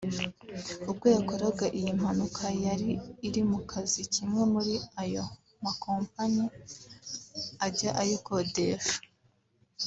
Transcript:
ubwo yakoraga iyi mpanuka yari iri mu kazi k’imwe muri ayo makompanyi ajya ayikodesha